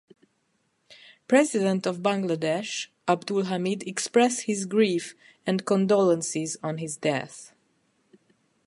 President of Bangladesh Abdul Hamid expressed his grief and condolences on his death.